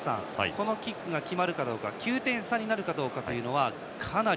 このキックが決まるかどうか９点差になるかどうかはかなり。